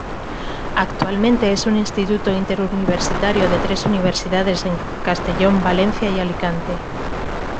Actualmente es un instituto interuniversitario de tres universidades de Castellón, Valencia y Alicante.